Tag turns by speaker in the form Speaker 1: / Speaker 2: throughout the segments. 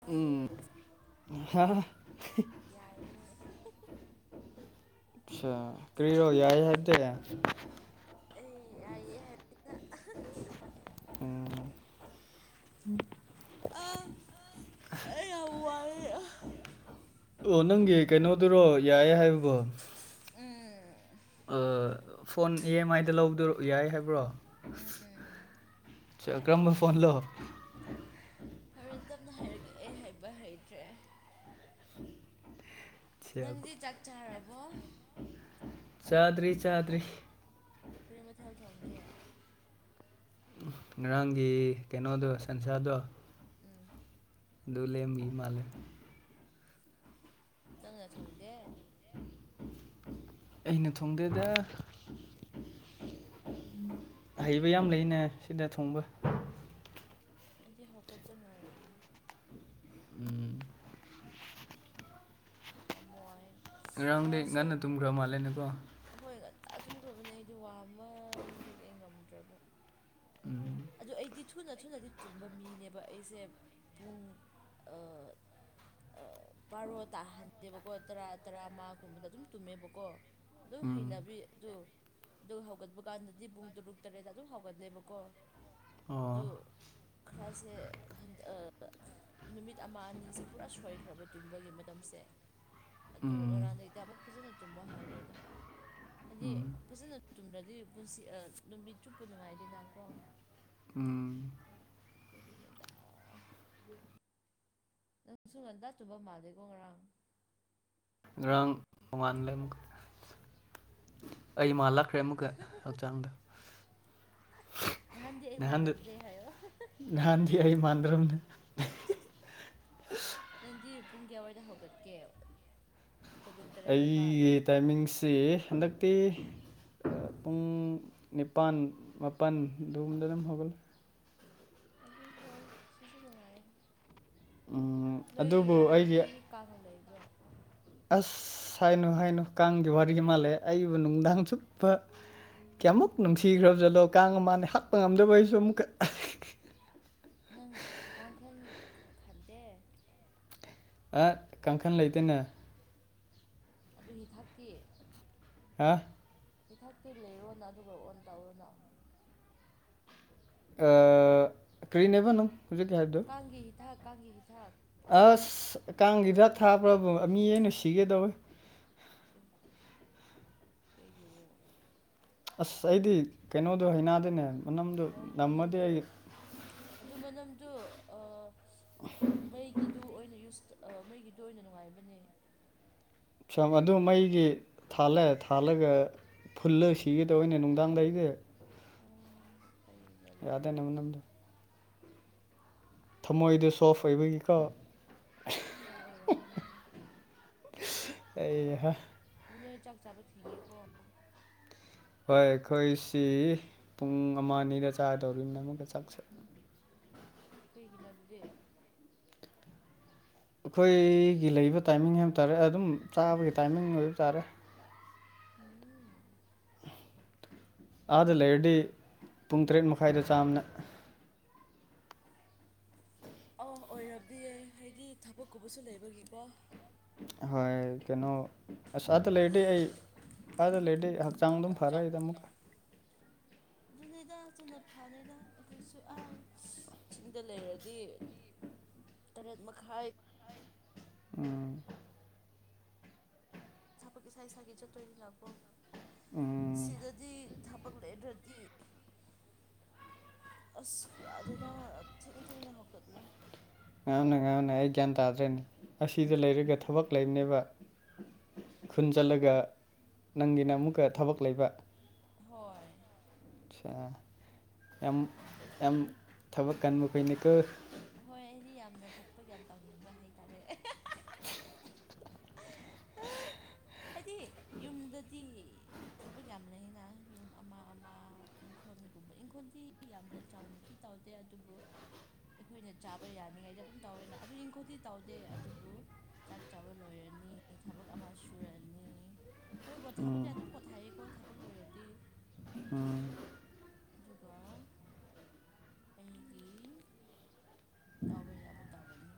Speaker 1: ꯌꯥꯏꯌꯦ
Speaker 2: ꯎꯝ [unintelligible]
Speaker 1: ꯌꯥꯏꯌꯦ
Speaker 2: ꯑꯆꯥ ꯀꯔꯤꯔꯣ ꯌꯥꯏ ꯍꯥꯏꯗꯦ
Speaker 1: ꯑꯦ ꯌꯥꯏꯌꯦ ꯍꯥꯏꯅ
Speaker 2: ꯎꯝ
Speaker 1: ꯑꯥ
Speaker 2: [unintelligible]
Speaker 1: [unintelligible]
Speaker 2: ꯑꯣ ꯅꯪꯒꯤ ꯀꯩꯅꯣꯗꯨꯔꯣ ꯌꯥꯏꯌꯦ ꯍꯥꯏꯕꯕꯣ
Speaker 1: ꯎꯝ
Speaker 2: ꯑ ꯐꯣꯟ ꯏ ꯑꯦꯝ ꯑꯥꯏ ꯗ ꯂꯧꯕꯗꯨ ꯌꯥꯏꯌꯦ ꯍꯥꯏꯕ꯭ꯔꯣ
Speaker 1: ꯎꯝ
Speaker 2: ꯆꯀ꯭ꯔꯝꯕ ꯐꯣꯟ ꯂꯣ
Speaker 1: ꯍꯣꯔꯦꯟ ꯇꯞꯅ ꯍꯥꯏꯔꯛꯒꯦ ꯑꯩ ꯍꯥꯏꯕ ꯍꯩꯇ꯭ꯔꯦ ꯅꯪꯗꯤ ꯆꯥꯛ ꯆꯥꯔꯕꯣ
Speaker 2: ꯆꯥꯗꯔꯤ ꯆꯥꯗꯔꯤ
Speaker 1: ꯀꯔꯤ ꯃꯊꯦꯜ ꯊꯣꯡꯒꯦ
Speaker 2: ꯉꯔꯥꯡꯒꯤ ꯀꯩꯅꯣꯗꯣ ꯁꯟꯁꯥ ꯗꯣ
Speaker 1: ꯎꯝ
Speaker 2: ꯑꯗꯨ ꯂꯦꯝꯃꯤ ꯃꯥꯂꯦ
Speaker 1: ꯅꯪꯅ ꯊꯣꯡꯗꯦ
Speaker 2: ꯑꯩꯅ ꯊꯣꯡꯗꯦꯗ ꯍꯩꯕ ꯌꯥꯝ ꯂꯩꯅꯦ ꯁꯤꯗ ꯊꯣꯡꯕ
Speaker 1: ꯑꯩꯗꯤ ꯍꯧꯀꯠꯇ ꯉꯥꯏꯔꯤꯌꯦ
Speaker 2: ꯎꯝ
Speaker 1: ꯌꯥꯝ ꯋꯥꯏ
Speaker 2: ꯉꯔꯥꯡꯗꯤ
Speaker 1: ꯉꯔꯥꯡꯁꯨ
Speaker 2: ꯉꯟꯅ ꯇꯨꯝꯈ꯭ꯔ ꯃꯥꯜꯂꯦꯅꯦꯀꯣ
Speaker 1: ꯍꯣꯏ ꯉꯟꯇꯥ ꯊꯨꯝꯈ꯭ꯔꯕꯅꯦ ꯑꯩꯗꯣ ꯋꯥꯃꯟꯕꯒꯤ ꯑꯩ ꯉꯝꯗ꯭ꯔꯕ
Speaker 2: [inaudible]
Speaker 1: ꯑꯗꯨ ꯑꯩꯗꯤ ꯊꯨꯅ ꯊꯨꯅꯗꯤ ꯇꯨꯝꯕ ꯃꯤꯅꯦꯕ ꯑꯩꯁꯦ ꯄꯨꯡ ꯕꯔꯣ ꯇꯥꯍꯟꯗꯦꯕꯀꯣ ꯇꯔꯥ ꯇꯔꯥꯃꯒꯨꯝꯕꯗ ꯑꯗꯨꯝ ꯇꯨꯝꯃꯦꯕꯀꯣ ꯑꯗꯨꯝ ꯍꯩꯅꯕꯤ
Speaker 2: ꯎꯝ
Speaker 1: ꯑꯗꯨ ꯑꯗꯨ ꯍꯧꯒꯠꯄ ꯀꯥꯟꯗꯗꯤ ꯄꯨꯡ ꯇꯔꯨꯛ ꯇꯔꯦꯠꯇ ꯑꯗꯨꯝ ꯍꯧꯒꯠꯂꯦꯕꯀꯣ ꯑꯗꯨ
Speaker 2: ꯑꯣ
Speaker 1: ꯈꯔꯁꯦ ꯍꯟꯗꯑ ꯅꯨꯃꯤꯠ ꯑꯃ ꯑꯅꯤꯁꯦ ꯄꯨꯔꯥ ꯁꯣꯏꯈ꯭ꯔꯕ ꯇꯨꯝꯕꯒꯤ ꯃꯇꯝꯁꯦ ꯑꯗꯣ
Speaker 2: ꯎꯝ
Speaker 1: ꯉꯔꯥꯡꯗꯩꯗ ꯑꯃꯨꯛ ꯐꯖꯅ ꯇꯨꯝꯕ ꯍꯧꯔꯦꯗ ꯍꯥꯏꯗꯤ
Speaker 2: ꯎꯝ
Speaker 1: ꯐꯖꯅ ꯇꯨꯝꯗ꯭ꯔꯗꯤ ꯄꯨꯟꯁꯤ ꯅꯨꯃꯤꯠ ꯆꯨꯞꯄ ꯅꯨꯡꯉꯥꯏꯗꯦꯅꯀꯣ
Speaker 2: ꯎꯝ
Speaker 1: ꯑꯗꯨꯒꯤ ꯅꯦꯗ ꯅꯪ ꯁꯨ ꯉꯟꯇꯥ ꯆꯨꯕ ꯃꯥꯜꯂꯦꯀꯣ ꯉꯔꯥꯡ
Speaker 2: ꯉꯔꯪ ꯅꯣꯡꯉꯥꯟꯂꯉ ꯑꯩ ꯃꯥꯂꯛ ꯐꯔꯦ ꯑꯃꯨꯛꯀ ꯍꯛꯆꯥꯡꯗ
Speaker 1: ꯅꯍꯥꯟꯗꯤ ꯑꯩ
Speaker 2: ꯅꯍꯥꯟꯗꯨ
Speaker 1: ꯃꯥꯟꯅꯕꯗꯦ ꯍꯥꯏꯌꯣ
Speaker 2: ꯅꯍꯥꯟꯗꯤ ꯑꯩ ꯃꯥꯟꯗ꯭ꯔꯝꯅꯤ
Speaker 1: ꯅꯪꯗꯤ ꯄꯨꯡ ꯀꯌꯥꯋꯥꯏꯗ ꯍꯧꯒꯠꯀꯦ ꯇꯔꯨꯛ ꯇꯔꯦꯠ ꯅꯤꯄꯥꯜ
Speaker 2: ꯑꯩꯒꯤ ꯇꯥꯏꯃꯤꯡꯁꯤ ꯍꯟꯗꯛꯇꯤ ꯄꯨꯡ ꯅꯤꯄꯥꯟ ꯃꯥꯄꯟꯗꯨꯝꯗ ꯗꯨꯝ ꯍꯧꯒꯠꯂꯤ
Speaker 1: ꯑꯗꯨ ꯍꯣꯏ ꯁꯤꯖꯨ ꯅꯨꯡꯉꯥꯏꯌꯦ
Speaker 2: ꯎꯝ ꯑꯗꯨꯕꯨ ꯑꯩꯒꯤ
Speaker 1: ꯅꯣꯏꯔꯣꯝꯗꯨꯗꯗꯤ ꯀꯥꯡ ꯂꯩꯕ꯭ꯔꯣ
Speaker 2: ꯑꯁ ꯍꯥꯏꯅꯨ ꯍꯥꯏꯅꯨ ꯀꯥꯡꯒꯤ ꯋꯥꯔꯤ ꯃꯥ ꯂꯩ ꯑꯩꯕꯨ ꯅꯨꯡꯗꯥꯡ ꯆꯨꯞꯄ ꯀꯌꯥꯃꯨꯛ ꯅꯨꯡꯁꯤꯈ꯭ꯔꯕ ꯖꯠꯂꯣ ꯀꯥꯡ ꯑꯃꯅꯦ ꯍꯥꯠꯄ ꯉꯝꯗꯕ ꯑꯩꯁꯨ ꯑꯃꯨꯛꯀ
Speaker 1: ꯅꯪ ꯀꯥꯡꯈꯟ ꯈꯟ ꯈꯟꯇꯦ
Speaker 2: ꯑ ꯀꯥꯡꯈꯟ ꯂꯩꯇꯦꯅꯦ
Speaker 1: ꯑꯗꯨ ꯍꯤ ꯊꯛꯇꯤ
Speaker 2: ꯍꯥ
Speaker 1: ꯍꯤꯊꯛꯇ ꯂꯩꯔꯣꯅ ꯑꯗꯨꯒ ꯑꯣꯟ ꯇꯧꯔꯣꯅ
Speaker 2: ꯑꯥ ꯀ꯭ꯔꯤꯅꯦꯕ ꯅꯨꯡ ꯍꯧꯖꯤꯛꯀꯤ ꯍꯥꯏꯕꯗꯣ
Speaker 1: ꯀꯥꯡꯒꯤ ꯍꯤꯊꯛ ꯀꯥꯡꯒꯤ ꯍꯤꯊꯛ
Speaker 2: ꯑꯁ ꯀꯥꯡꯒꯤ ꯗꯥꯛ ꯊꯥꯕ꯭ꯔꯕꯨ ꯃꯤ ꯑꯩꯅ ꯁꯤꯒꯦ ꯇꯧꯋꯦ
Speaker 1: ꯑꯦ ꯀꯩꯒꯤꯕꯣ
Speaker 2: ꯑꯁ ꯑꯩꯗꯤ ꯀꯩꯅꯣꯗꯣ ꯍꯩꯅꯥꯗꯅꯦ ꯃꯅꯝꯗꯣ
Speaker 1: ꯑꯣ
Speaker 2: ꯅꯝꯃꯗꯤ
Speaker 1: ꯃꯅꯝꯗꯨ
Speaker 2: ꯑꯩ
Speaker 1: ꯑꯗꯨ ꯃꯅꯝꯗꯨ ꯑꯥ ꯃꯩꯒꯤꯗꯨ ꯑꯣꯏꯅ ꯌꯨꯁ ꯇꯥ ꯑꯥ ꯃꯩꯒꯤꯇꯣ ꯑꯣꯏꯅ ꯅꯨꯡꯉꯥꯏꯕꯅꯦ
Speaker 2: ꯁꯝ ꯑꯗꯨꯝ ꯃꯩꯒꯤ ꯊꯥꯜꯂꯦ ꯊꯥꯜꯂꯒ ꯐꯨꯜꯂꯒ ꯁꯤꯒꯦ ꯇꯧꯋꯦꯅꯦ ꯅꯨꯡꯗꯥꯡꯗ ꯑꯩꯗꯤ
Speaker 1: ꯑꯣ ꯍꯩꯅꯗꯕꯒꯤ
Speaker 2: ꯌꯥꯗꯦꯅꯦ
Speaker 1: ꯑꯣꯏꯔꯝꯅꯤ
Speaker 2: ꯃꯅꯝꯗꯣ ꯊꯝꯃꯣꯏꯗ ꯁꯣꯐ ꯑꯣꯏꯕꯒꯤꯀꯣ
Speaker 1: ꯍꯣꯏ ꯌꯥꯝ ꯑꯣꯏꯔꯝꯅꯤꯕꯣ
Speaker 2: ꯑꯩ ꯍꯥ
Speaker 1: ꯑꯗꯨ ꯅꯣꯏ ꯆꯥꯛ ꯆꯥꯕ ꯊꯦꯡꯉꯦꯀꯣ
Speaker 2: ꯍꯣꯏ ꯑꯩꯈꯣꯏꯁꯤ ꯄꯨꯡ ꯑꯃ ꯑꯅꯤꯗ ꯆꯥꯗꯧꯔꯤꯝꯅꯦ ꯑꯃꯨꯛꯀ ꯆꯥꯛ ꯁꯠ
Speaker 1: ꯀꯩꯒꯤꯅꯣ ꯑꯗꯨꯗꯤ
Speaker 2: ꯑꯩꯈꯣꯏꯒꯤ ꯂꯩꯕ ꯇꯥꯏꯃꯤꯡ ꯍꯥꯏꯕ ꯇꯥꯔꯦ ꯑꯗꯨꯝ ꯆꯥꯕꯒꯤ ꯇꯥꯏꯃꯤꯡ [unintelligible] ꯇꯥꯔꯦ
Speaker 1: ꯎꯝ
Speaker 2: ꯑꯥꯗ ꯂꯩꯔꯗꯤ ꯄꯨꯡ ꯇꯔꯦꯠ ꯃꯈꯥꯏꯗ ꯆꯥꯕꯅꯦ
Speaker 1: ꯑꯧ ꯑꯣꯏꯔꯕꯗꯤꯌꯦ ꯍꯥꯏꯗꯤ ꯊꯕꯛꯀꯨꯕꯁꯨ ꯂꯩꯕꯒꯤꯀꯣ
Speaker 2: ꯑꯍꯣꯢ ꯀꯩꯅꯣ ꯑꯁ ꯑꯗꯥ ꯂꯩꯔꯗꯤ ꯑꯩ ꯑꯥꯗ ꯂꯩꯔꯗꯤ ꯑꯩ ꯍꯛꯆꯥꯡ ꯑꯗꯨꯝ
Speaker 1: ꯍꯛꯆꯥꯡ
Speaker 2: ꯐꯔꯛꯏꯗ ꯑꯃꯨꯛꯀ
Speaker 1: ꯑꯗꯨꯅꯤꯗ ꯑꯗꯨꯅ ꯐꯥꯅꯤꯗ ꯑꯩꯈꯣꯏꯁꯨ ꯑꯥ ꯁꯤꯡꯗ ꯂꯩꯔꯗꯤ ꯇꯔꯦꯠ ꯃꯈꯥꯢ
Speaker 2: ꯎꯝ
Speaker 1: ꯊꯕꯛ ꯏꯁꯥ ꯏꯁꯥꯒꯤ ꯆꯠꯇꯣꯏꯅꯤꯅꯀꯣ
Speaker 2: ꯎꯝ
Speaker 1: ꯁꯤꯗꯗꯤ ꯊꯕꯛ ꯂꯩꯗ꯭ꯔꯗꯤ ꯑꯁ ꯌꯥꯗꯦꯗ ꯊꯦꯡ ꯊꯦꯡꯅ ꯍꯧꯒꯠꯂꯦ
Speaker 2: ꯉꯥꯡꯅ ꯉꯥꯡꯅ ꯑꯩ ꯒ꯭ꯌꯥꯟ ꯇꯥꯗ꯭ꯔꯦꯅꯦ ꯑꯁꯤꯗ ꯂꯩꯔꯒ ꯊꯕꯛ ꯂꯩꯕꯅꯦꯕ ꯈꯨꯟ ꯆꯠꯂꯒ ꯅꯪꯒꯤꯅ ꯑꯃꯨꯛꯀ ꯊꯕꯛ ꯂꯩꯕ
Speaker 1: ꯍꯣꯏ
Speaker 2: ꯑꯠꯁꯥ ꯌꯥꯝ ꯌꯥꯝ ꯊꯕꯛ ꯀꯟꯕ ꯈꯣꯢꯅꯤꯀꯣ
Speaker 1: ꯍꯣꯏ ꯑꯩꯗꯤ ꯌꯥꯝꯅ ꯊꯕꯛ ꯌꯥꯝ ꯇꯧꯅꯤꯡꯕ ꯍꯥꯏꯇꯥꯔꯦ ꯑꯩꯗꯤ ꯌꯨꯝꯗꯗꯤ ꯊꯕꯛ ꯌꯥꯝ ꯂꯩꯌꯦꯅ ꯌꯨꯝ ꯑꯃ ꯑꯃ ꯏꯪꯈꯣꯟꯒꯨꯝꯕ ꯏꯪꯈꯣꯟꯗꯤ ꯌꯥꯝꯅ ꯆꯥꯎꯅꯗꯤ ꯆꯥꯎꯗꯦ ꯑꯗꯨꯕꯨ ꯑꯩꯈꯣꯏꯅ ꯆꯥꯕ ꯌꯥꯅꯤꯡꯉꯥꯏꯗꯤ ꯑꯗꯨꯝ ꯇꯧꯋꯦꯅ ꯑꯗꯨ ꯏꯪꯈꯣꯟꯗꯤ ꯇꯧꯗꯦ ꯑꯗꯨꯕꯨ ꯆꯥꯛ ꯆꯥꯕ ꯂꯣꯏꯔꯅꯤ ꯊꯕꯛ ꯑꯃ ꯁꯨꯔ ꯅꯤ ꯍꯣꯏ ꯄꯣꯊꯥꯕꯗꯤ
Speaker 2: ꯎꯝ
Speaker 1: ꯑꯗꯨꯝ ꯄꯣꯊꯥꯏꯌꯦꯀꯣ ꯊꯕꯛ ꯂꯣꯏꯔꯗꯤ ꯑꯗꯨ
Speaker 2: ꯎꯝ
Speaker 1: ꯑꯗꯨꯒ ꯑꯩꯒꯤ ꯇꯥꯎꯕ ꯌꯥꯕ ꯇꯧꯔꯅꯤ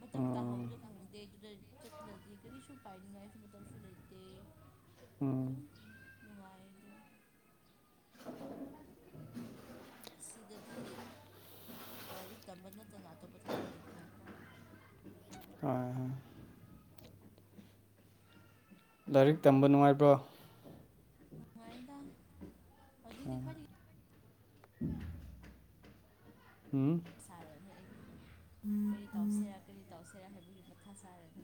Speaker 1: ꯃꯇꯝ
Speaker 2: ꯎꯝ
Speaker 1: ꯇꯥꯍꯧꯕꯖꯨ ꯈꯪꯗꯦ ꯗꯨꯗ ꯆꯠꯂꯗꯤ ꯀꯔꯤꯁꯨ ꯄꯥꯏꯅꯤꯡꯉꯥꯏ ꯃꯇꯝꯁꯨ ꯂꯩꯇꯦ
Speaker 2: ꯎꯝ
Speaker 1: ꯑꯗꯨꯝ ꯅꯨꯡꯉꯥꯏꯗꯨꯅ ꯁꯤꯗꯗꯤ ꯂꯥꯏꯔꯤꯛ ꯇꯝꯕ ꯅꯠꯇꯅ ꯑꯇꯣꯞꯄ ꯊꯕꯛ ꯂꯩꯇꯦꯅꯀꯣ
Speaker 2: ꯍꯣꯏ ꯍꯣꯏ ꯂꯥꯏꯔꯤꯛ ꯇꯝꯕ ꯅꯨꯡꯉꯥꯏꯕ꯭ꯔꯣ
Speaker 1: ꯅꯨꯡꯉꯥꯏꯗ ꯍꯧꯖꯤꯛꯗꯤ ꯈꯋ꯭ꯥꯏꯗꯒꯤ
Speaker 2: ꯎꯝ
Speaker 1: ꯁꯥꯔꯅꯤ ꯑꯩꯗꯤ ꯀꯔꯤ ꯇꯧꯁꯦꯔꯥ ꯀꯔꯤ ꯇꯧꯁꯦꯔꯥ ꯍꯥꯏꯕꯒꯤ ꯃꯊꯥ ꯁꯥꯔꯅꯤ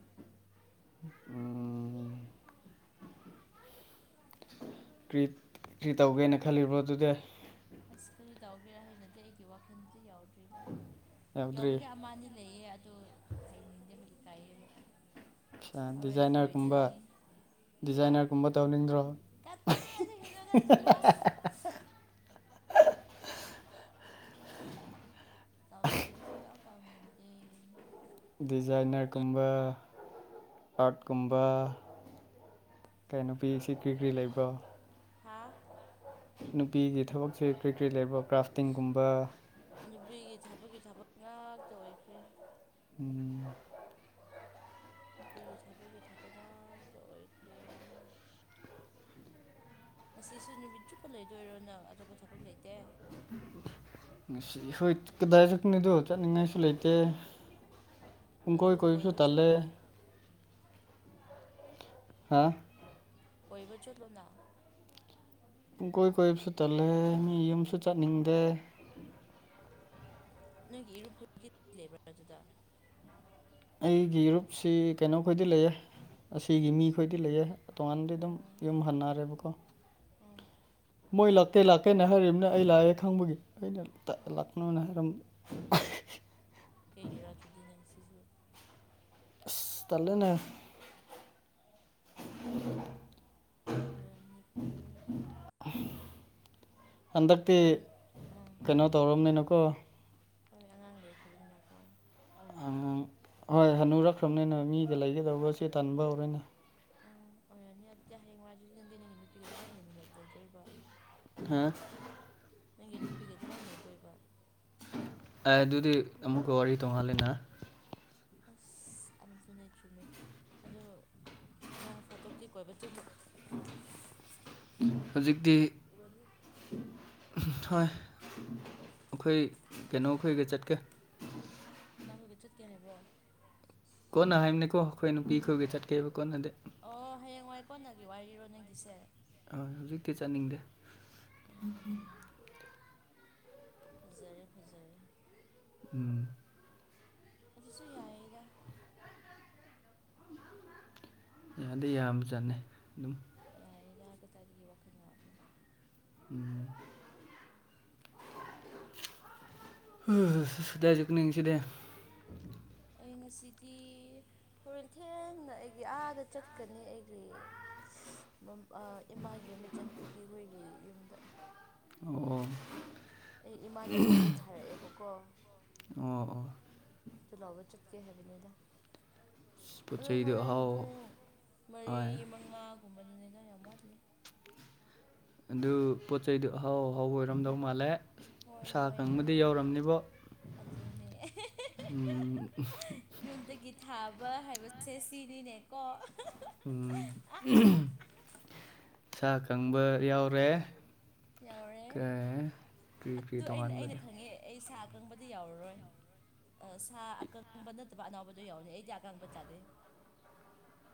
Speaker 2: ꯎꯝ ꯀ꯭ꯔꯤ ꯇꯧꯒꯦꯅ ꯈꯜꯂꯤꯕ꯭ꯔꯣ ꯗꯨꯗꯤ
Speaker 1: ꯑꯁ ꯀꯔꯤ ꯇꯧꯒꯦꯔꯥ ꯍꯥꯏꯅꯗꯤ ꯑꯩꯒꯤ ꯋꯥꯈꯟꯗꯤ ꯌꯥꯎꯗ꯭ꯔꯤꯗ
Speaker 2: ꯌꯥꯎꯗ꯭ꯔꯤ
Speaker 1: ꯌꯧꯕꯗꯤ ꯑꯃ ꯑꯅꯤ ꯂꯩꯌꯦ ꯑꯗꯨ ꯍꯥꯏꯅꯤꯡꯗꯦꯕ ꯏꯀꯥꯏꯌꯦꯕ
Speaker 2: ꯑꯠꯁꯥ
Speaker 1: ꯍꯧꯔꯦꯟ
Speaker 2: ꯗꯤꯖꯥꯏꯅꯔꯒꯨꯝꯕ
Speaker 1: ꯑꯣꯏꯗ꯭ꯔꯇꯤ ꯍꯥ
Speaker 2: ꯗꯤꯖꯥꯏꯅꯔꯒꯨꯝꯕ ꯇꯧꯅꯤꯡꯗ꯭ꯔꯣ
Speaker 1: ꯀꯇꯥꯏ ꯗꯒꯤꯅꯣꯗ ꯆꯠꯂꯣ ꯑꯥꯗ ꯇꯥꯎꯅꯤꯡꯇꯦ ꯑꯩ ꯁꯨꯡꯇꯥꯎ ꯇꯥꯎꯅꯤꯡꯇꯦ
Speaker 2: ꯗꯤꯖꯥꯏꯟꯅꯔꯒꯨꯝꯕ ꯑꯥꯔꯠꯀꯨꯝꯕ ꯀꯩꯅꯣ ꯄꯤ꯬ꯍꯩꯁꯤ ꯀ꯭ꯔꯤ ꯀ꯭ꯔꯤ ꯂꯩꯕ꯭ꯔꯣ
Speaker 1: ꯍꯥꯥ
Speaker 2: ꯅꯨꯄꯤꯒꯤ ꯊꯕꯛꯁꯦ ꯀ꯭ꯔꯤ ꯀ꯭ꯔꯤ ꯂꯩꯕ꯭ꯔꯥ ꯀ꯭ꯔꯥꯐꯇꯤꯡꯒꯨꯝꯕ
Speaker 1: ꯅꯨꯄꯤꯒꯤ ꯊꯕꯛꯀꯤ ꯊꯕꯛ ꯉꯥꯛꯇ ꯑꯣꯏꯈ꯭ꯔꯦ
Speaker 2: ꯎꯝ
Speaker 1: ꯅꯨꯄꯤꯒꯤ ꯊꯕꯒꯤ ꯊꯕꯛ ꯉꯥꯛꯇ ꯑꯣꯏꯈ꯭ꯔꯦ ꯉꯁꯤꯁꯨ ꯅꯨꯃꯤꯠ ꯆꯨꯞꯄ ꯂꯩꯗꯣꯏꯔꯣ ꯅꯪ ꯑꯇꯣꯞꯄ ꯊꯕꯛ ꯂꯩꯇꯦ
Speaker 2: ꯉꯁꯤꯗꯤ ꯍꯣꯏ ꯀꯗꯥꯏ ꯆꯠꯀꯅꯤꯗꯣ ꯆꯠꯅꯤꯡꯉꯥꯏꯁꯨ ꯂꯩꯇꯦ
Speaker 1: ꯑꯗꯨ
Speaker 2: ꯄꯨꯡꯀꯣꯏ ꯀꯣꯏꯕꯁꯨ
Speaker 1: ꯀꯣꯏꯕ
Speaker 2: ꯇꯜꯂꯦ
Speaker 1: ꯆꯠꯂꯣ
Speaker 2: ꯍꯥꯥ
Speaker 1: ꯀꯣꯏꯕ ꯆꯠꯂꯣꯅ
Speaker 2: ꯄꯨꯡꯀꯣꯏ ꯀꯣꯏꯕꯁꯨ ꯇꯜꯂꯦ ꯃꯤ ꯌꯨꯝꯁꯨ ꯆꯠꯅꯤꯡꯗꯦ
Speaker 1: ꯅꯣꯏꯒꯤ ꯏꯔꯨꯞ ꯈꯨ [unintelligible] ꯂꯩꯕ꯭ꯔꯥ ꯑꯗꯨꯗ
Speaker 2: ꯑꯩꯒꯤ ꯏꯔꯨꯞꯁꯤ ꯀꯩꯅꯣꯈꯣꯏꯗꯤ ꯂꯩꯌꯦ ꯑꯁꯤꯒꯤ ꯃꯤꯈꯣꯏꯗꯤ ꯂꯩꯌꯦ ꯇꯣꯉꯥꯟꯗꯤ ꯑꯗꯨꯝ
Speaker 1: ꯑꯣ
Speaker 2: ꯌꯨꯝ ꯍꯟꯅꯔꯦꯕꯀꯣ
Speaker 1: ꯑꯥ
Speaker 2: ꯃꯣꯏ ꯂꯥꯛꯀꯦ ꯂꯥꯛꯀꯦꯅ ꯍꯥꯏꯔꯤꯕꯅꯦ ꯑꯩ ꯂꯥꯛꯑꯦ ꯈꯪꯕꯒꯤ ꯑꯩꯅ ꯇ
Speaker 1: ꯑꯥ
Speaker 2: ꯂꯥꯛꯀꯅꯣꯅ ꯍꯥꯏꯔꯝꯕ
Speaker 1: ꯀꯩꯒꯤꯔꯥ ꯗꯨꯗꯤ ꯅꯪ ꯁꯤꯁꯨ
Speaker 2: ꯑꯁ ꯇꯜꯂꯦꯅꯦ
Speaker 1: ꯑꯣꯏꯔꯝꯅꯤꯀꯣ
Speaker 2: ꯍꯟꯗꯛꯇꯤ
Speaker 1: ꯑꯗꯨ ꯑꯥ
Speaker 2: ꯀꯩꯅꯣ ꯇꯧꯔꯝꯅꯤꯅꯀꯣ
Speaker 1: ꯍꯣꯏ ꯑꯉꯥꯡ ꯂꯩꯈ꯭ꯔꯕꯅꯤꯅꯀꯣ
Speaker 2: ꯑꯉꯥꯡ ꯍꯣꯏ ꯍꯟꯅꯨꯔꯛꯈ꯭ꯔꯝꯅꯤꯅ ꯃꯤꯗ ꯂꯩꯒꯗꯧꯕꯁꯦ ꯇꯟꯕ ꯍꯧꯔꯦꯅꯦ
Speaker 1: ꯑꯥ ꯑꯣꯏꯔꯝꯅꯤ ꯑꯗꯨꯗꯤ ꯍꯌꯦꯡꯋꯥꯏꯗꯨꯗꯤ ꯅꯪꯗꯤ ꯅꯪꯒꯤ ꯅꯨꯄꯤꯒ ꯀꯃꯥꯏꯟ ꯂꯩꯃꯤꯟꯅ ꯂꯩꯗꯣꯏꯕ
Speaker 2: ꯍꯥ
Speaker 1: ꯅꯪꯒꯤ
Speaker 2: [unintelligible] [unintelligible]
Speaker 1: ꯅꯨꯄꯤꯒ ꯀꯃꯥꯏꯅ ꯂꯩꯗꯣꯏꯕ
Speaker 2: ꯑꯦ ꯑꯗꯨꯗꯤ ꯑꯃꯨꯛꯀ ꯋꯥꯔꯤ ꯇꯣꯡꯉꯥꯜꯂꯦꯅ
Speaker 1: ꯑꯁ ꯑꯗꯨꯅꯦ ꯆꯨꯝꯃꯦ ꯑꯗꯣ ꯅꯣꯡ ꯐꯥꯇꯣꯛꯇꯤ ꯀꯣꯏꯕ ꯆꯠꯂꯨ [unintelligible]
Speaker 2: ꯍꯨꯖꯤꯛꯇꯤ
Speaker 1: ꯎꯔꯅꯤ
Speaker 2: [unintelligible] ꯍꯣꯏ ꯑꯈꯣꯏ ꯀꯩꯅꯣꯈꯣꯏꯒ ꯆꯠꯀꯦ
Speaker 1: ꯀꯅꯥ ꯍꯣꯏꯒ ꯆꯠꯀꯦ ꯍꯥꯏꯕ꯭ꯔꯣ
Speaker 2: ꯀꯣꯟꯅ ꯍꯥꯏꯕꯅꯦꯀꯣ ꯑꯩꯈꯣꯏ ꯅꯨꯄꯤ ꯈꯣꯏꯒꯤ ꯆꯠꯀꯦꯕ ꯀꯣꯟꯅꯗꯤ
Speaker 1: ꯑꯣ ꯍꯌꯦꯡꯋꯥꯏ ꯀꯣꯟꯅꯒꯤ ꯋꯥꯔꯤꯔꯣ ꯅꯪꯒꯤꯁꯦ
Speaker 2: ꯑ ꯍꯧꯖꯤꯛꯇꯤ ꯆꯠꯅꯤꯡꯗꯦ
Speaker 1: ꯎꯝ ꯐꯖꯔꯦ ꯐꯖꯔꯦ
Speaker 2: ꯎꯝ
Speaker 1: ꯑꯗꯨꯁꯨ ꯌꯥꯌꯦꯗ
Speaker 2: ꯌꯥꯗꯤ ꯌꯥꯝ ꯖꯥꯠꯅꯦ ꯑꯗꯨꯝ
Speaker 1: ꯌꯥꯔꯦꯗ ꯀꯇꯥꯏꯇꯒꯤ ꯋꯥꯈꯜ ꯋꯥꯕ꯭ꯔꯣ
Speaker 2: ꯎꯝ [inaudible] [unintelligible] ꯗꯥꯏꯖꯨꯛ ꯅꯤꯡꯁꯤꯗ [unintelligible]
Speaker 1: ꯑꯩ ꯉꯁꯤꯗꯤ ꯍꯣꯔꯦꯟ ꯊꯦꯡꯅ ꯑꯩꯒꯤ ꯑꯥꯗ ꯆꯠꯀꯅꯤ ꯑꯩꯒꯤ [unintelligible] ꯃꯝ ꯑ ꯏꯃꯥꯒꯤ ꯃꯆꯟꯅꯨꯄꯤ ꯍꯣꯏꯒꯤ ꯌꯨꯝꯗ
Speaker 2: ꯑꯣ
Speaker 1: ꯑꯩ ꯏꯃꯥꯅ ꯄꯣꯠ ꯆꯩ ꯊꯥꯔꯛꯑꯦꯕꯀꯣ
Speaker 2: ꯑꯣ ꯑꯣ
Speaker 1: ꯇ ꯂꯥꯎꯕ ꯆꯠꯀꯦ ꯍꯥꯏꯕꯅꯦꯗ
Speaker 2: ꯄꯣꯠ
Speaker 1: ꯑꯗꯨ
Speaker 2: ꯆꯩꯗꯨ
Speaker 1: ꯍꯣꯔꯦꯟ
Speaker 2: ꯑꯍꯥꯎ
Speaker 1: ꯄꯨꯡ ꯃꯔꯤ
Speaker 2: ꯍꯣꯏ
Speaker 1: ꯃꯉꯥꯒꯨꯝꯕꯗꯨꯅꯤꯗ ꯌꯥꯝ ꯋꯥꯠꯂꯤ
Speaker 2: ꯑꯗꯨ ꯄꯣꯠ ꯆꯩꯩꯗꯨ ꯑꯍꯥꯎ ꯑꯍꯥꯎꯕ ꯑꯣꯏꯔꯝꯗꯧ ꯃꯥꯜꯂꯦ
Speaker 1: ꯍꯣꯏ
Speaker 2: ꯁꯥ
Speaker 1: ꯍꯣꯏ
Speaker 2: ꯀꯪꯕꯗꯤ
Speaker 1: ꯍꯣꯏ
Speaker 2: ꯌꯧꯔꯝꯅꯤꯕꯣ
Speaker 1: ꯑꯗꯨꯅꯦ [unintelligible] ꯌꯨꯝꯗꯒꯤ ꯊꯥꯕ ꯍꯥꯏꯕꯁꯦ ꯁꯤꯅꯤꯅꯦꯀꯣ [unintelligible]
Speaker 2: ꯎꯝ [unintelligible] ꯁꯥ ꯀꯪꯕ ꯌꯥꯎꯔꯦ
Speaker 1: ꯌꯧꯔꯦ
Speaker 2: ꯀꯔꯤ ꯀꯔꯤ
Speaker 1: ꯑꯗꯨ ꯑꯩꯅ ꯑꯩꯅ
Speaker 2: ꯇꯣꯉꯥꯟꯕꯗ
Speaker 1: ꯈꯪꯉꯦ ꯑꯩ ꯁꯥꯥꯛ ꯑꯀꯪꯕꯗꯤ ꯌꯥꯎꯔꯔꯣꯏ ꯁꯥ ꯑꯀꯪꯕ ꯅꯠꯇꯕ ꯑꯅꯥꯎꯕꯗꯣ ꯌꯥꯎꯗꯦ ꯑꯩꯗꯤ ꯑꯀꯪꯕ ꯆꯥꯗꯦ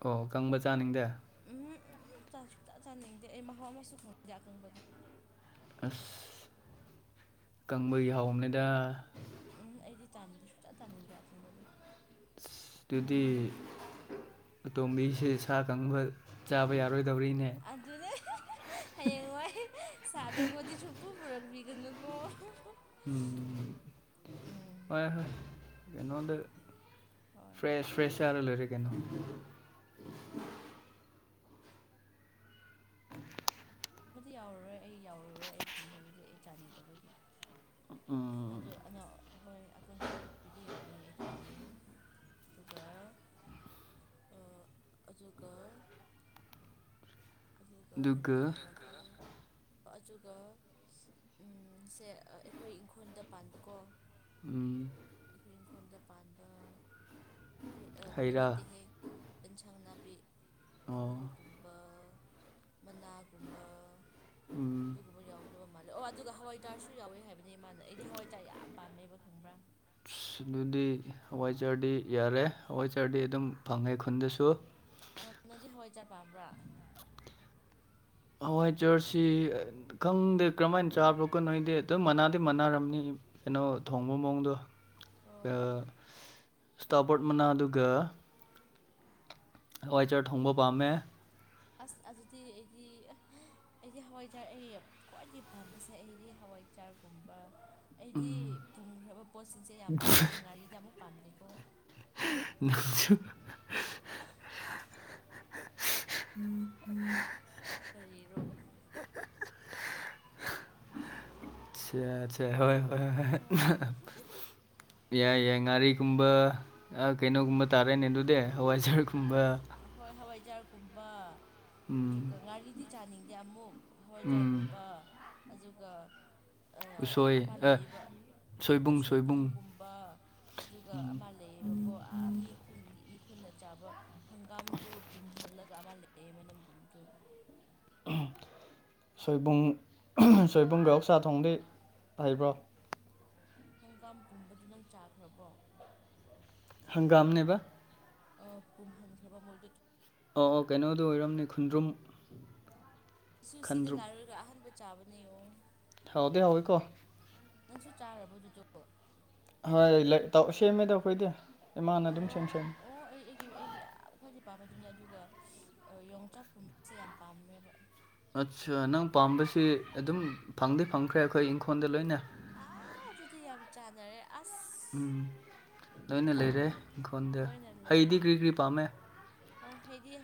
Speaker 2: ꯑꯣ ꯀꯪꯕ ꯆꯥꯅꯤꯡꯗꯦ
Speaker 1: ꯎꯝ [unintelligible] ꯎꯝ ꯆꯥ ꯁꯨꯛ ꯆꯥ ꯆꯥꯅꯤꯡꯗꯦ ꯑꯩ ꯃꯍꯥꯎ ꯑꯃꯁꯨ ꯈꯪꯅꯤꯡꯗꯦ ꯑꯀꯪꯕꯗꯤ
Speaker 2: ꯑꯁ ꯀꯪꯕꯒꯤ ꯍꯥꯎꯝꯅꯦꯗ
Speaker 1: ꯎꯝ ꯑꯩꯗꯤ ꯆꯥꯅꯤꯡꯗꯦ ꯁꯨꯡꯆꯥ ꯆꯥꯅꯤꯡꯗ꯭ꯔꯦ ꯑꯀꯪꯕꯗꯤ
Speaker 2: ꯗꯨꯗꯤ ꯑꯇꯣꯝꯕꯤꯁꯦ ꯁꯥ ꯀꯪꯕ ꯆꯥꯕ ꯌꯥꯔꯣꯏꯗꯧꯔꯤꯅꯦ
Speaker 1: ꯑꯗꯨꯅꯦ ꯍꯌꯦꯡ ꯋꯥꯏ ꯁꯥꯑꯀꯪꯕꯗꯤ ꯁꯨꯛꯄꯨ ꯄꯨꯔꯛꯄꯤꯒꯅꯨꯀꯣ [unintelligible]
Speaker 2: ꯎꯝ
Speaker 1: ꯎꯝ
Speaker 2: ꯍꯣꯏ ꯍꯣꯏ ꯀꯩꯅꯣꯗ
Speaker 1: ꯍꯣꯏ
Speaker 2: ꯐ꯭ꯔꯦꯁ ꯐ꯭ꯔꯦꯁ ꯑꯥꯔ ꯂꯩꯔꯦ ꯀꯩꯅꯣ
Speaker 1: ꯃꯗꯤ ꯌꯥꯔꯔꯣꯏ ꯑꯩ ꯌꯥꯎꯔꯔꯣꯏ ꯑꯩ ꯈꯪꯖꯦ ꯑꯗꯨꯗꯤ ꯑꯩ ꯆꯥꯅꯤꯡꯗꯕꯒꯤ
Speaker 2: ꯎꯝ
Speaker 1: ꯑꯖꯨ ꯑꯅꯣ ꯍꯣꯏ ꯑꯀꯪꯕ ꯅꯠꯇꯕꯤꯗꯤ ꯌꯥꯎꯅꯤ ꯑꯩ ꯈꯪꯉꯦ ꯑꯗꯨꯒ ꯑ ꯑꯗꯨꯒ ꯑꯗꯨꯒ ꯀꯔꯤ ꯀꯔꯤ [unintelligible] ꯑꯖꯨꯒ ꯎꯝ ꯁꯦ ꯑꯩꯈꯣꯏ ꯏꯪꯈꯣꯟꯗ ꯄꯥꯟꯕꯀꯣ
Speaker 2: ꯎꯝ
Speaker 1: ꯑꯩꯈꯣꯏ ꯏꯪꯈꯣꯟꯗ ꯄꯥꯟꯕ ꯍꯩ ꯑ ꯍꯩ ꯅꯠꯇꯦ ꯍꯦ ꯑꯦꯟꯁꯥꯡ ꯅꯥꯄꯤ
Speaker 2: ꯑꯣ
Speaker 1: ꯑꯂꯨꯒꯨꯝꯕ ꯃꯅꯥ ꯒꯨꯝꯕ
Speaker 2: ꯎꯝ
Speaker 1: ꯗꯨꯒꯨꯝꯕ ꯌꯥꯎꯒꯗꯕ ꯃꯥꯜꯂꯦ ꯑꯣ ꯑꯗꯨꯒ ꯍꯋꯥꯏ ꯊꯥꯔꯁꯨ ꯌꯥꯎꯋꯦ ꯍꯥꯏꯕꯅ‌ꯦ ꯃꯥꯅ ꯑꯩꯗꯤ ꯍꯋꯥꯏ ꯆ ꯌꯥꯝ ꯄꯥꯝꯃꯦꯕ ꯈꯪꯕ꯭ꯔꯥ
Speaker 2: ꯗꯨꯗꯤ ꯍꯋꯥꯏꯖꯥꯔꯗꯤ ꯌꯥꯔꯦ ꯍꯋꯥꯏꯖꯥꯔꯗꯤ ꯑꯗꯨꯝ ꯐꯪꯉꯦ ꯈꯨꯟꯗꯁꯨ
Speaker 1: ꯑ‌ꯣ ꯅꯪꯗꯤ ꯍꯋꯥꯏꯖꯥꯔ ꯄꯥꯝꯕ꯭ꯔꯥ
Speaker 2: ꯍꯋꯥꯏꯖꯥꯔꯁꯤ ꯈꯪꯗꯦ ꯀꯝꯃꯥꯏꯟ ꯆꯥꯕ꯭ꯔꯣ ꯀꯣ ꯅꯣꯏꯗꯤ ꯑꯗꯨꯝ ꯃꯅꯥꯗꯤ ꯃꯅꯥꯔꯝꯅꯤ ꯀꯩꯅꯣ ꯊꯣꯡꯕ ꯃꯑꯣꯡꯗꯣ ꯑ
Speaker 1: ꯍꯣꯏ
Speaker 2: ꯏꯁꯇꯥꯕꯔ‌ꯣꯠ ꯃꯅꯥꯗꯨꯒ ꯍꯋꯥꯏꯖꯥꯔ ꯊꯣꯡꯕ ꯄꯥꯝꯃꯦ
Speaker 1: ꯑꯁ ꯑꯗꯨꯗꯤ ꯑꯩꯗꯤ ꯑꯩꯗꯤ ꯍꯋꯥꯏꯖꯥꯔ ꯑꯩ ꯈ꯭ꯋꯥꯏꯗꯒꯤ ꯄꯥꯝꯕꯁꯦ ꯑꯩꯗꯤ ꯍꯋꯥꯏ ꯆꯥꯔꯒꯨꯝꯕ ꯑꯩꯗꯤ
Speaker 2: ꯎꯝ
Speaker 1: ꯄꯨꯝꯈ꯭ꯔꯕ ꯄꯣꯠꯁꯤꯡꯁꯦ ꯌꯥꯝ ꯄꯥꯝꯃꯦ ꯑꯗꯨ ꯉꯥꯔꯤꯗꯤ ꯑꯃꯨꯛ ꯄꯥꯝꯗꯦꯀꯣ
Speaker 2: ꯅꯪꯁꯨ
Speaker 1: [unintelligible]
Speaker 2: [unintelligible]
Speaker 1: ꯀꯔꯤꯔꯣ [inaudible]
Speaker 2: ꯁꯦꯠ ꯁꯦ ꯍꯣꯏ ꯍꯣꯏ
Speaker 1: ꯍꯣꯏ
Speaker 2: [unintelligible] ꯌꯥꯏ ꯌꯥꯏ ꯉꯥꯔꯤꯒꯨꯝꯕ ꯑ ꯀꯩꯅꯣꯒꯨꯝꯕ ꯇꯥꯔꯦꯅꯦ ꯑꯗꯨꯗꯤ ꯍꯋꯥꯏꯖꯥꯔꯒꯨꯝꯕ
Speaker 1: ꯍꯣꯏ ꯍꯋꯥꯏꯖꯥꯔꯒꯨꯝꯕ
Speaker 2: ꯎꯝ
Speaker 1: ꯗꯨꯒ ꯉꯥꯔꯤꯗꯤ ꯆꯥꯅꯤꯡꯗꯦ ꯑꯃꯨꯛ ꯍꯋꯥꯏꯖꯥꯔꯒꯨꯝ
Speaker 2: ꯎꯝ
Speaker 1: ꯕ ꯑꯖꯨꯒ ꯑ
Speaker 2: ꯎꯁꯣꯏ
Speaker 1: ꯑꯃꯥ
Speaker 2: ꯑꯦ
Speaker 1: ꯂꯩꯌꯦꯕ
Speaker 2: ꯁꯣꯏꯕꯨꯡ ꯁꯣꯏꯕꯨꯡ
Speaker 1: ꯁꯣꯏꯄꯨꯝꯒꯨꯝꯕ ꯑꯖꯨꯒ
Speaker 2: ꯎꯝ
Speaker 1: ꯑꯃꯥ ꯂꯩꯌꯦꯕꯀꯣ ꯑꯥ ꯃꯤ ꯈꯨꯟꯒꯤ ꯃꯤ ꯈꯨꯟꯅ ꯆꯥꯕ ꯍꯪꯒꯥꯝꯗꯨ ꯄꯨꯝꯍꯜꯂꯒ ꯑꯃꯥ ꯂꯩꯌ‌ꯦꯕ ꯅꯝꯒꯨꯝꯕꯗꯨ
Speaker 2: ꯁꯣꯏꯕꯨꯝ ꯁꯣꯏꯕꯨꯝꯒ ꯑꯣꯛꯁꯥ ꯊꯣꯡꯗꯤ ꯍꯩꯕ꯭ꯔꯣ
Speaker 1: ꯍꯪꯒꯥꯝ ꯄꯨꯝꯕꯗꯨ ꯅꯪ ꯆꯥꯈ꯭ꯔꯕꯣ
Speaker 2: ꯍꯪꯒꯥꯝ ꯅꯦꯕ
Speaker 1: ꯑꯥ ꯄꯨꯝꯍꯟꯈ꯭ꯔꯕ ꯃꯣꯏꯗꯨ
Speaker 2: ꯑ‌ꯣ ꯑ‌ꯣ ꯀꯩꯅꯣꯗꯨ ꯑꯣꯏꯔꯝꯅꯤ ꯈꯨꯟꯗ꯭ꯔꯨꯝ
Speaker 1: ꯁꯨ ꯁꯤꯗ
Speaker 2: ꯈꯟꯗ꯭ꯔꯨꯝ
Speaker 1: ꯉꯥꯔꯔꯒ ꯑꯍꯟꯕ ꯆꯥꯕꯅ‌ꯦ ꯌ‌ꯣ
Speaker 2: ꯍꯥꯎꯗꯤ ꯍꯥꯎꯋꯤꯀꯣ
Speaker 1: ꯅꯪꯁꯨ ꯆꯥꯔꯕꯣ ꯗꯨꯗꯣ
Speaker 2: ꯍꯣꯏ ꯂ‌ꯦꯛꯇꯧ ꯁꯦꯝꯃꯦꯗ ꯑꯈꯣꯏꯗꯤ ꯏꯃꯥꯅ ꯑꯗꯨꯝ ꯁꯦꯝ
Speaker 1: ꯑꯣ
Speaker 2: ꯁꯦꯝ
Speaker 1: ꯑꯣ ꯑꯩ ꯑꯩꯒꯤ ꯑꯩꯒꯤ ꯌꯥꯝ ꯈ꯭ꯋꯥꯏꯗꯩ ꯄꯥꯝꯕꯗꯨꯅꯦ ꯑꯗꯨꯒ ꯑꯥ ꯌꯣꯡꯆꯥꯛꯀꯨꯝꯕꯁꯦ ꯌꯥꯝ ꯄꯥꯝꯃꯦꯕ
Speaker 2: ꯑꯠꯁꯥ ꯅꯪ ꯄꯥꯝꯕꯁꯤ ꯑꯗꯨꯝ ꯐꯪꯗꯤ ꯐꯪꯈ꯭ꯔꯦ ꯑꯈꯣꯏ ꯏꯪꯈꯣꯟꯗ ꯂꯣꯏꯅ
Speaker 1: ꯑꯥ ꯗꯨꯗꯤ ꯌꯥꯝ ꯆꯥꯟꯅꯔꯦ ꯑꯁ
Speaker 2: ꯎꯝ ꯂꯣꯏꯅ
Speaker 1: ꯎꯝ
Speaker 2: ꯂꯩꯔꯦ ꯏꯪꯈꯣꯜꯗ
Speaker 1: ꯂꯣꯏꯅ ꯂꯩ
Speaker 2: ꯍꯩꯗꯤ ꯀꯔꯤ ꯀꯔꯤ ꯄꯥꯝꯃꯦ
Speaker 1: ꯑ ꯍꯩꯗꯤ